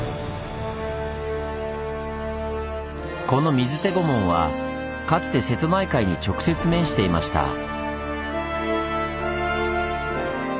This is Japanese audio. この水手御門はかつて瀬戸内海に直接面していました。